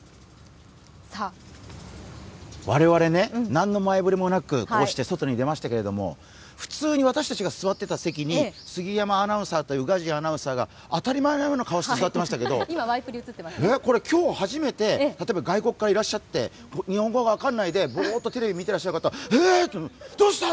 我々ね、何の前触れもなく、こうして外に出ましたけど普通に私たちが座っていた席に杉山アナウンサーと宇賀神アナウンサーが当たり前のような顔して座ってましたけど、これ、今日初めて、例えば外国からいらっしゃって日本語が分からないでボーッとテレビ見てらっしゃる方えーっ、どうした？